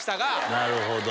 なるほど。